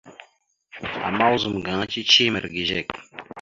Ama ozum gaŋa cici mirəgezekw.